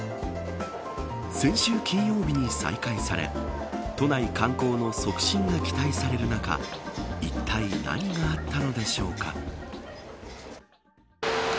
先週金曜日に再開され都内観光の促進が期待される中いったい何があったのでしょうか。